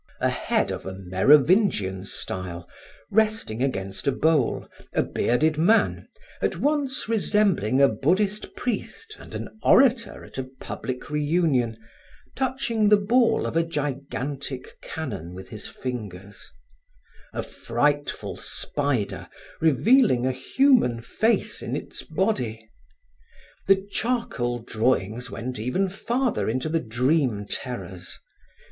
A head of a Merovingian style, resting against a bowl, a bearded man, at once resembling a Buddhist priest and an orator at a public reunion, touching the ball of a gigantic cannon with his fingers; a frightful spider revealing a human face in its body. The charcoal drawings went even farther into dream terrors.